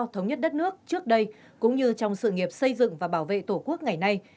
thống nhất đất nước trước đây cũng như trong sự nghiệp xây dựng và bảo vệ tổ quốc ngày nay